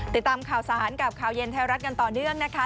ติดตามข่าวสารกับข่าวเย็นไทยรัฐกันต่อเนื่องนะคะ